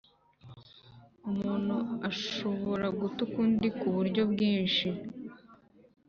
u muntu ashubora gutuka undi ku buryo bwinshi